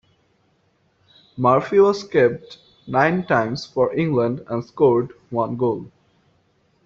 Murphy was capped nine times for England and scored one goal.